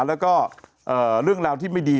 แล้วก็เรื่องราวที่ไม่ดี